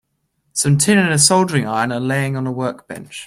Some tin and a soldering iron are laying on the workbench.